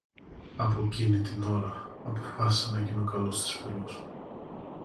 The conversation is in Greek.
Από κείνη την ώρα αποφάσισα να γίνω καλός της φίλος.